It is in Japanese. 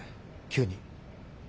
急に。